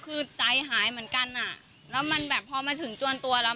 คือใจหายเหมือนกันอ่ะแล้วมันแบบพอมาถึงจวนตัวแล้ว